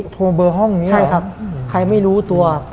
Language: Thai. โทรเบอร์ห้องนี้ใช่ครับใครไม่รู้ตัว